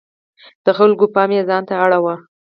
د خلکو پام یې ځانته اړاوه.